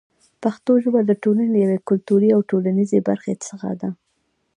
پښتو ژبه د ټولنې له یوې کلتوري او ټولنیزې برخې څخه ده.